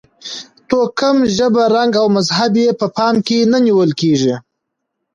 توکم، ژبه، رنګ او مذهب یې په پام کې نه نیول کېږي.